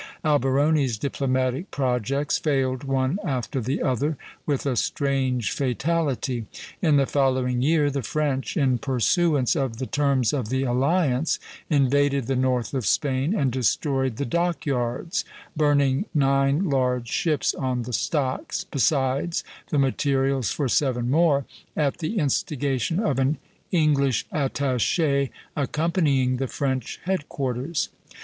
Alberoni's diplomatic projects failed one after the other, with a strange fatality. In the following year the French, in pursuance of the terms of the alliance, invaded the north of Spain and destroyed the dock yards; burning nine large ships on the stocks, besides the materials for seven more, at the instigation of an English attaché accompanying the French headquarters.